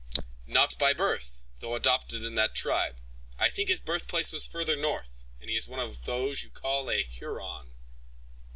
"Not by birth, though adopted in that tribe; I think his birthplace was farther north, and he is one of those you call a Huron."